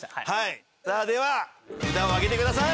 さあでは札をあげてください。